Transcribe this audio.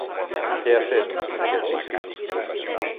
Què ha fet, en aquest sentit?